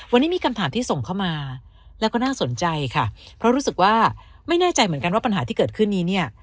วันนี้มีคำถามที่ส่งเข้ามาแล้วก็น่าสนใจค่ะเพราะรู้สึกว่าไม่แน่ใจเหมือนกันว่าปัญหาที่เกิดขึ้นนี้เนี่ย